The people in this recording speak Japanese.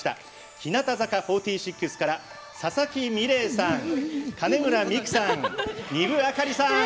日向坂４６から佐々木美玲さん金村美玖さん、丹生明里さん。